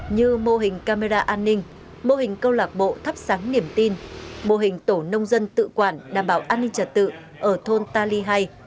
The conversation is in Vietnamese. như mô hình camera an ninh mô hình câu lạc bộ thắp sáng niềm tin mô hình tổ nông dân tự quản đảm bảo an ninh trật tự ở thôn ta ly hai